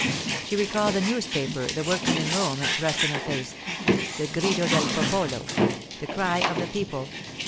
She recalled the newspaper the workman in Rome had thrust in her face—the Grido del Popolo—the Cry of the People.